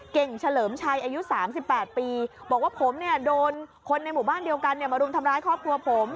เฉลิมชัยอายุ๓๘ปีบอกว่าผมเนี่ยโดนคนในหมู่บ้านเดียวกันมารุมทำร้ายครอบครัวผม